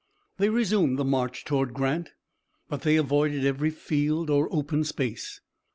They resumed the march toward Grant, but they avoided every field or open space.